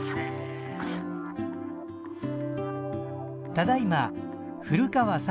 ただいま古川聡